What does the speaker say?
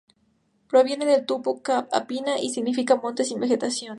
Proviene del tupí ""Ka'a-apina"" que significa "monte sin vegetación".